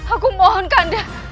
aku mohon kanda